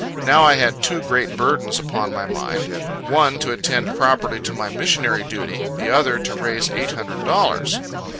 Now I had two great burdens upon my mind: one to attend properly to my missionary duty, the other to raise eight hundred dollars.